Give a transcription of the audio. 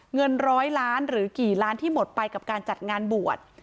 เงินร้อยล้านหรือกี่ล้านที่หมดไปกับการจัดงานบวช